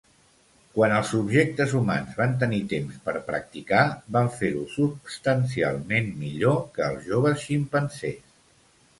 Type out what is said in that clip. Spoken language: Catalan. Quan els subjectes humans van tenir temps per practicar, van fer-ho substancialment millor que els joves ximpanzés.